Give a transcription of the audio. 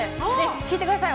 聞いてください。